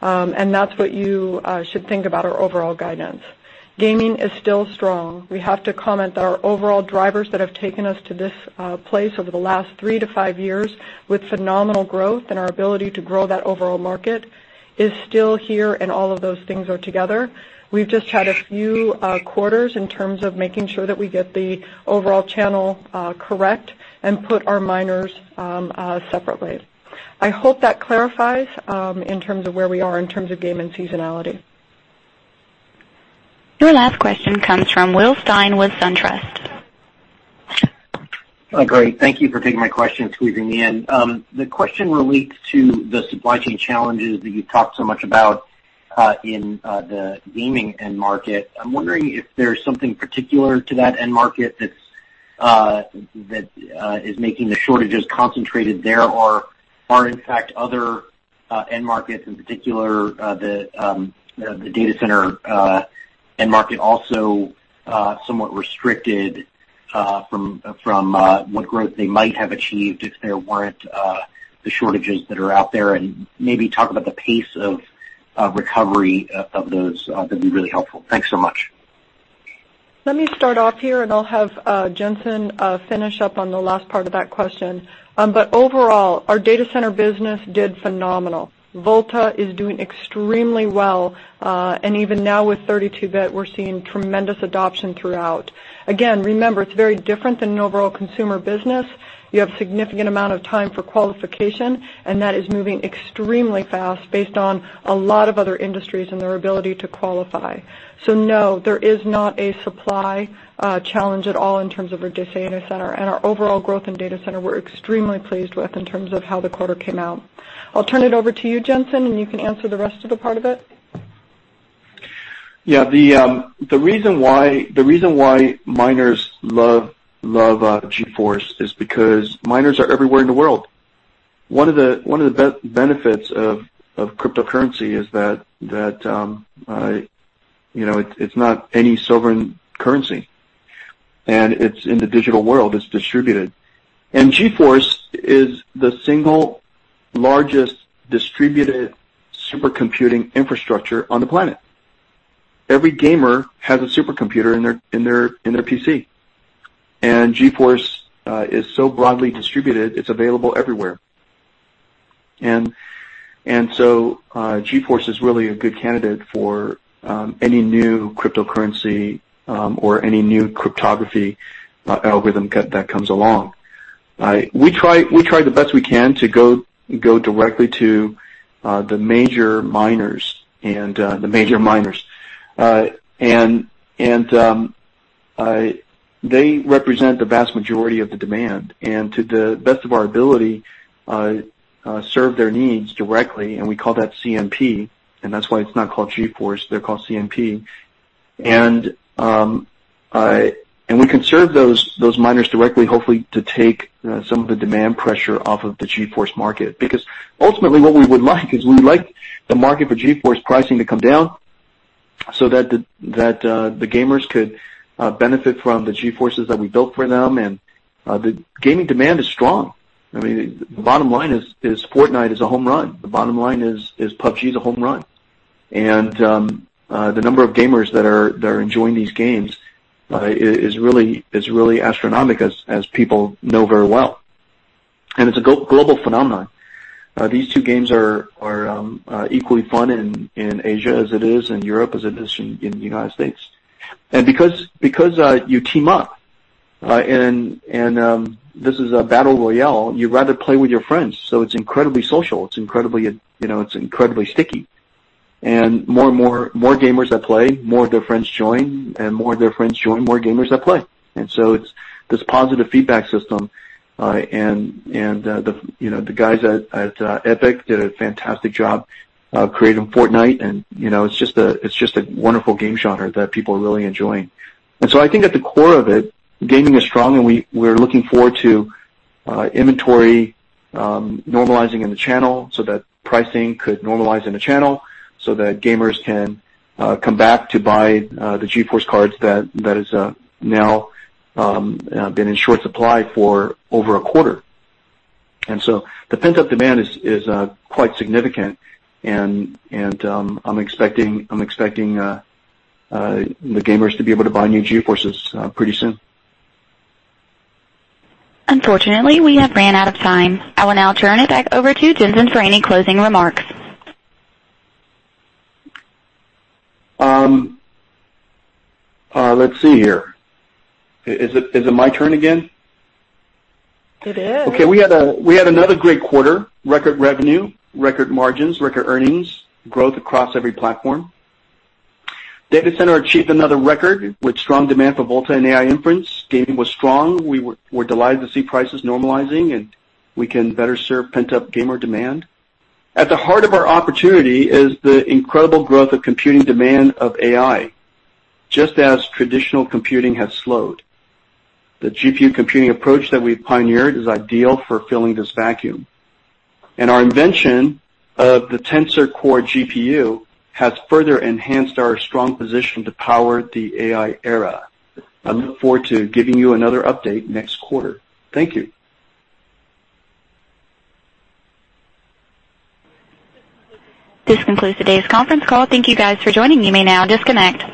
and that's what you should think about our overall guidance. Gaming is still strong. We have to comment that our overall drivers that have taken us to this place over the last three to five years with phenomenal growth and our ability to grow that overall market is still here, and all of those things are together. We've just had a few quarters in terms of making sure that we get the overall channel correct and put our miners separately. I hope that clarifies in terms of where we are in terms of gaming seasonality. Your last question comes from Will Stein with SunTrust. Great. Thank you for taking my question and squeezing me in. The question relates to the supply chain challenges that you've talked so much about in the gaming end market. I'm wondering if there's something particular to that end market that is making the shortages concentrated there or are, in fact, other end markets, in particular, the data center end market also somewhat restricted from what growth they might have achieved if there weren't the shortages that are out there? Maybe talk about the pace of recovery of those. That'd be really helpful. Thanks so much. Let me start off here, and I'll have Jensen finish up on the last part of that question. Overall, our data center business did phenomenal. Volta is doing extremely well, and even now with 32 bit, we're seeing tremendous adoption throughout. Again, remember, it's very different than an overall consumer business. You have significant amount of time for qualification, and that is moving extremely fast based on a lot of other industries and their ability to qualify. No, there is not a supply challenge at all in terms of our data center, and our overall growth in data center, we're extremely pleased with in terms of how the quarter came out. I'll turn it over to you, Jensen, and you can answer the rest of the part of it. Yeah. The reason why miners love GeForce is because miners are everywhere in the world. One of the benefits of cryptocurrency is that it's not any sovereign currency, and it's in the digital world. It's distributed. GeForce is the single largest distributed supercomputing infrastructure on the planet. Every gamer has a supercomputer in their PC. GeForce is so broadly distributed, it's available everywhere. GeForce is really a good candidate for any new cryptocurrency or any new cryptography algorithm that comes along. We try the best we can to go directly to the major miners, and they represent the vast majority of the demand, and to the best of our ability, serve their needs directly, and we call that CMP, and that's why it's not called GeForce, they're called CMP. We can serve those miners directly, hopefully, to take some of the demand pressure off of the GeForce market, because ultimately what we would like is we would like the market for GeForce pricing to come down so that the gamers could benefit from the GeForces that we built for them. The gaming demand is strong. The bottom line is Fortnite is a home run. The bottom line is PUBG is a home run. The number of gamers that are enjoying these games is really astronomic as people know very well. It's a global phenomenon. These two games are equally fun in Asia as it is in Europe, as it is in the United States. Because you team up, and this is a battle royale, you'd rather play with your friends. It's incredibly social. It's incredibly sticky. More gamers that play, more of their friends join, more of their friends join, more gamers that play. So it's this positive feedback system, the guys at Epic did a fantastic job creating Fortnite, it's just a wonderful game genre that people are really enjoying. So I think at the core of it, gaming is strong, we're looking forward to inventory normalizing in the channel so that pricing could normalize in the channel, so that gamers can come back to buy the GeForce cards that has now been in short supply for over a quarter. So the pent-up demand is quite significant, I'm expecting the gamers to be able to buy new GeForces pretty soon. Unfortunately, we have ran out of time. I will now turn it back over to Jensen for any closing remarks. Let's see here. Is it my turn again? It is. Okay. We had another great quarter. Record revenue, record margins, record earnings, growth across every platform. Data center achieved another record with strong demand for Volta and AI inference. Gaming was strong. We're delighted to see prices normalizing, and we can better serve pent-up gamer demand. At the heart of our opportunity is the incredible growth of computing demand of AI, just as traditional computing has slowed. The GPU computing approach that we've pioneered is ideal for filling this vacuum. Our invention of the Tensor Core GPU has further enhanced our strong position to power the AI era. I look forward to giving you another update next quarter. Thank you. This concludes today's conference call. Thank you guys for joining. You may now disconnect.